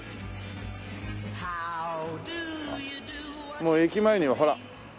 もう駅前にはほら。